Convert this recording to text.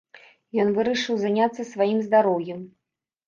Ён вырашыў заняцца сваім здароўем.